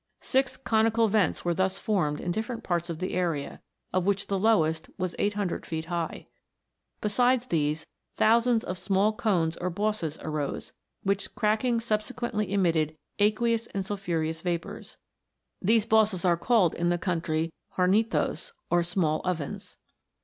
Six conical vents were thus formed in different parts of the area, of which the lowest was 800 feet high. Besides these, thousands of small cones or bosses arose, which cracking subsequently emitted aqueous and sulphureous vapours. These bosses are called in the country Hornitos, or small ovens.